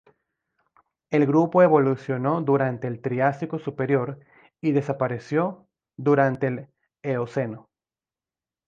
El grupo evolucionó durante el Triásico superior y desapareció durante el Eoceno.